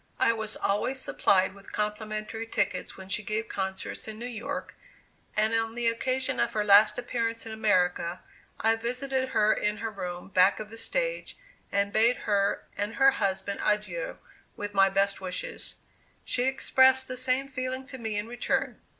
I was always supplied with complimentary tickets when she gave concerts in New York, and on the occasion of her last appearance in America, I visited her in her room back of the stage, and bade her and her husband adieu, with my best wishes. She expressed the same feeling to me in return.